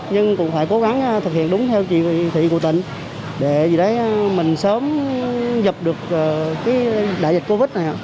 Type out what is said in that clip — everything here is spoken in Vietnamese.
nhưng cũng phải cố gắng thực hiện đúng theo chỉ thị của tỉnh để mình sớm dập được đại dịch covid này